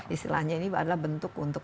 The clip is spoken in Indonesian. istilahnya ini adalah bentuk untuk